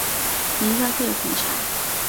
很意外会有红茶